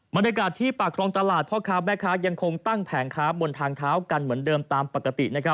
บรรยากาศที่ปากครองตลาดพ่อค้าแม่ค้ายังคงตั้งแผงค้าบนทางเท้ากันเหมือนเดิมตามปกติ